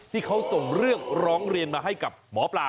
ที่เขาส่งเรื่องร้องเรียนมาให้กับหมอปลา